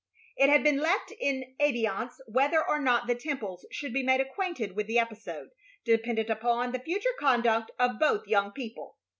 It had been left in abeyance whether or not the Temples should be made acquainted with the episode, dependent upon the future conduct of both young people.